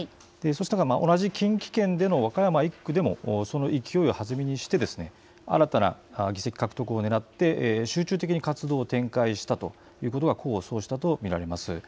同じ近畿圏の和歌山１区でも新たな議席獲得をねらって集中的に活動を展開したことが功を奏したと見られます。